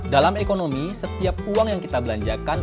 dalam ekonomi setiap uang yang kita belanjakan